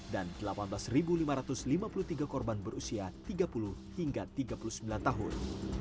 dan delapan belas lima ratus lima puluh tiga korban berusia tiga puluh hingga tiga puluh sembilan tahun